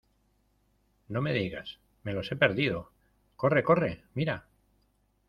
no me digas, me los he perdido. ¡ corre , corre! mira .